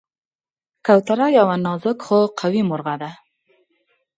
کوتره یو نازک خو قوي مرغه ده.